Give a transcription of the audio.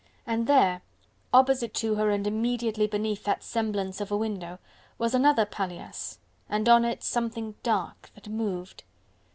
and there, opposite to her and immediately beneath that semblance of a window, was another paillasse, and on it something dark, that moved.